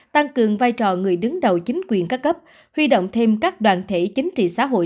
tăng cường vai trò người đứng đầu chính quyền các cấp huy động thêm các đoàn thể chính trị xã hội